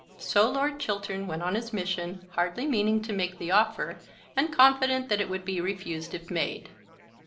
So Lord Chiltern went on his mission, hardly meaning to make the offer, and confident that it would be refused if made.